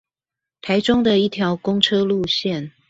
台中的一條公車路線